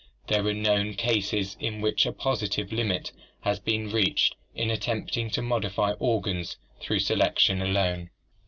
There are known cases in which a positive limit has been reached in attempting to modify organs through selection alone.